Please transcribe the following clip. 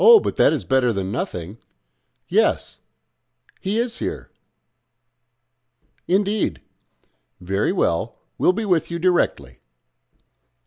but that is better than nothing.... Yes; he is here.... Indeed. Very well; we will be with you directly."